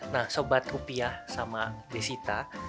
nah sobat rupiah sama desita